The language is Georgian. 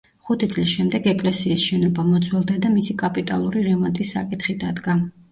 ხუთი წლის შემდეგ ეკლესიის შენობა მოძველდა და მისი კაპიტალური რემონტის საკითხი დადგა.